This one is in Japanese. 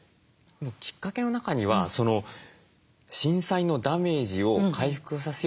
きっかけの中には震災のダメージを回復させようとしてとても忙しくなった。